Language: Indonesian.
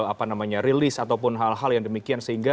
apa namanya rilis ataupun hal hal yang demikian sehingga